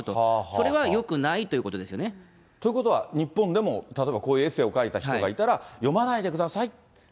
それはよくないということですよね。ということは、日本でも例えばこういうエッセーを書いた人がいたら、読まないでくださいって。